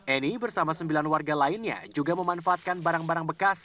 eni bersama sembilan warga lainnya juga memanfaatkan barang barang bekas